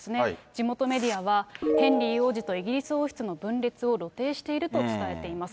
地元メディアは、ヘンリー王子とイギリス王室の分裂を露呈していると伝えています。